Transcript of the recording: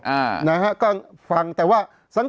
เพราะฉะนั้นประชาธิปไตยเนี่ยคือการยอมรับความเห็นที่แตกต่าง